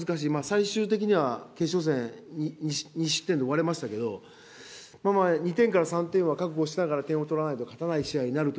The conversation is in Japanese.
最終的には決勝戦、２失点で終われましたけど、２点から３点は覚悟しながら点を取らないと勝てない試合になると